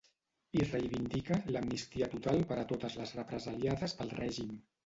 I reivindica ‘l’amnistia total per a totes les represaliades pel règim’.